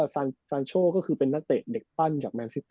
สานโชก็คือเป็นนักเตะเด็กปั้นจากจริงมั้ย